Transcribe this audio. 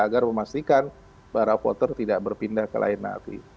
agar memastikan para voter tidak berpindah ke lain nanti